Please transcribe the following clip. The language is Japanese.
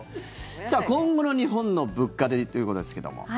さあ、今後の日本の物価ということですけども。